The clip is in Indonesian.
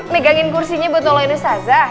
megangin kursinya buat nolongin ustazah